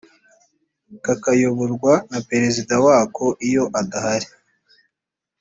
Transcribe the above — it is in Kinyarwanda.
kakayoborwa na perezida wako iyo adahari